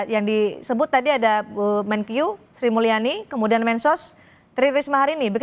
yang disebut tadi ada menkiu sri mulyani kemudian mensos tri risma hari ini